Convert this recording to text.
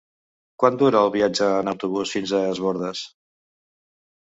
Quant dura el viatge en autobús fins a Es Bòrdes?